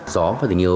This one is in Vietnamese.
gió và tình yêu